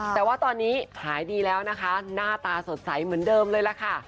แต่ว่าตอนนี้หายดีแล้วนะคะหน้าตาสดใสเหมือนเดิมเลยล่ะค่ะ